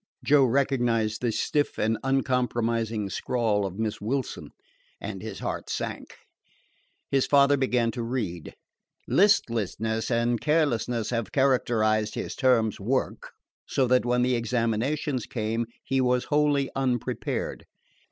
Joe recognized the stiff and uncompromising scrawl of Miss Wilson, and his heart sank. His father began to read: "Listlessness and carelessness have characterized his term's work, so that when the examinations came he was wholly unprepared.